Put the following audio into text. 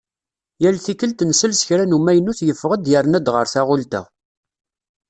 Yal tikkelt nsel s kra n umaynut yeffeɣ-d yerna-d ɣer taɣult-a.